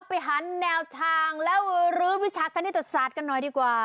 ไปหันแนวทางแล้วรื้อวิชาคณิตศาสตร์กันหน่อยดีกว่า